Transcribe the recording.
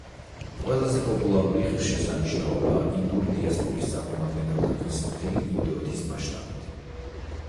ყველაზე პოპულარული ღირსშესანიშნაობაა ინდური დიასპორის წარმომადგენელთათვის მთელი ინდოეთის მასშტაბით.